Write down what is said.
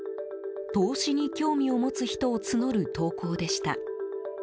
投資に興味を持つ人を募る投稿でした。